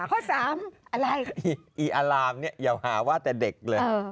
ข้อ๓อะไรอีอารามเนี่ยอย่าหาว่าแต่เด็กเลย